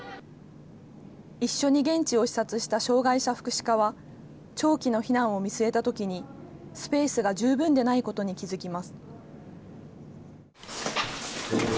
一緒に現地を視察した障害者福祉課は、長期の避難を見据えたときにスペースが十分でないことに気付きます。